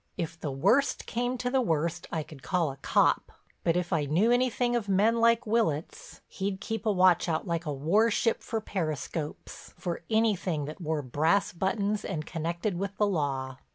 If the worst came to the worst I could call a cop, but if I knew anything of men like Willitts, he'd keep a watch out like a warship for periscopes, for anything that wore brass buttons and connected with the law.